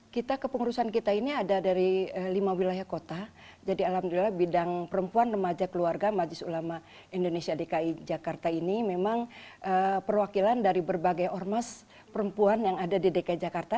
kita kepengurusan kita ini ada dari lima wilayah kota jadi alhamdulillah bidang perempuan remaja keluarga majlis ulama indonesia dki jakarta ini memang perwakilan dari berbagai ormas perempuan yang ada di dki jakarta